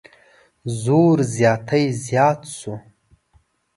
زور زیاتی زیات شو.